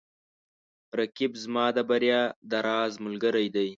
رقیب زما د بریا د راز ملګری دی